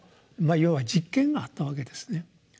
あ要は「実験」があったわけですね。